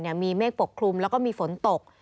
มีเมฆปกคลุมแล้วก็มีฝนตก